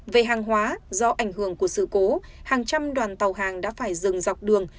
về hàng hóa do ảnh hưởng của sự cố hàng trăm đoàn tàu hàng đã phải dừng dọc đường